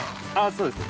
そうですね